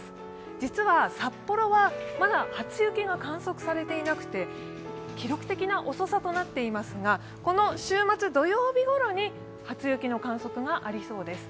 実は札幌はまだ初雪が観測されていなくて、記録的な遅さとなっていますが、この週末、土曜日ごろに初雪の観測がありそうです。